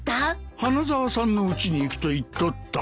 「花沢さんのうちに行く」と言っとった。